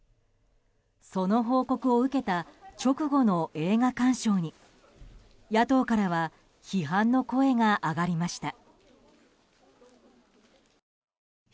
その報告を受けた直後の映画鑑賞に野党から批判の声が上がりました。